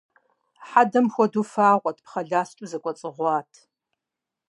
Хьэдэм хуэдэу фагъуэт, пхъэ ласкӀэу зэкӀуэцӀыгъуат.